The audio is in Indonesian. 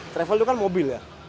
travel itu kan mobil ya